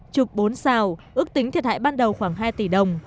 chục bốn sao ước tính thiệt hại ban đầu khoảng hai tỷ đồng